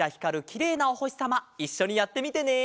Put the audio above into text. きれいなおほしさまいっしょにやってみてね！